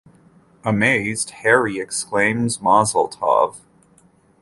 Amazed, Harry exclaims, "Mazel tov"!